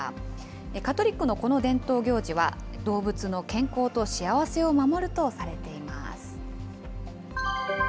カトリックのこの伝統行事は、動物の健康と幸せを守るとされています。